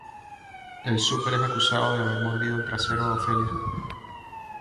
El Súper es acusado de haber mordido el trasero a Ofelia.